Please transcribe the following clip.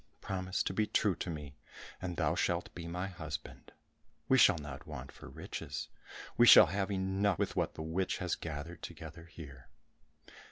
Promise to be true to me, and thou shalt be my husband. We shall not want for riches, we shall have enough with what the witch has gathered together here."